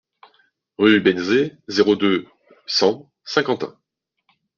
Rue Bénezet, zéro deux, cent Saint-Quentin